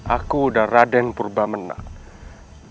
aku udah raden purba menang